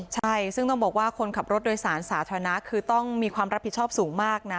ใช่ซึ่งต้องบอกว่าคนขับรถโดยสารสาธารณะคือต้องมีความรับผิดชอบสูงมากนะ